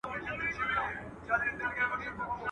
نور به د پېغلوټو د لونګ خبري نه کوو.